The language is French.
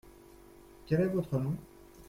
Quel est votre nom ?